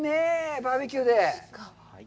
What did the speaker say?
バーベキューで。